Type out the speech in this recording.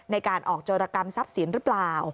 ในการออกโจรกรรมทรัพย์สินหรือเปล่า